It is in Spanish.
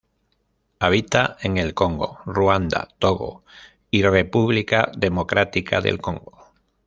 Habita en el Congo, Ruanda, Togo y República Democrática del Congo.